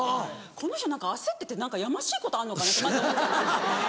この人何か焦ってて何かやましいことあんのかなってまず思っちゃうんですよ。